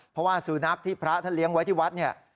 เพราะว่าสุนัขที่พระท่านเลี้ยงไว้ที่วัดเนี่ย